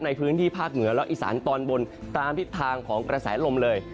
ในพื้นที่ภาคเหนือและอีสานตอนบนตามทิศทางของกระแสลมเลย